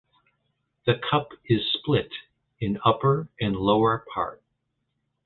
The Cup is split in upper and lower part.